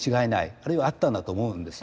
あるいはあったんだと思うんです。